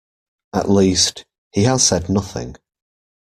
At least, he has said nothing.